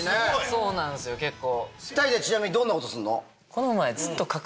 そうなんですよ結構。